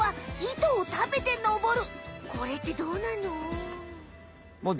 これってどうなの？